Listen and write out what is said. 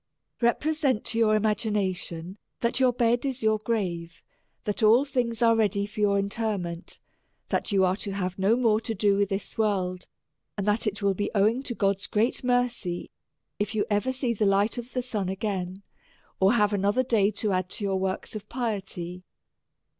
Repre OfiVOUT AND HOLY LIFE. 339 sent to your imagination, that your bed is your gravel that all things are ready for your interment; that you are to have no more to do with this world ; and that it will be owing to God's great mercy if you ever see the light of the sun again, or have another day to add to your works of piety.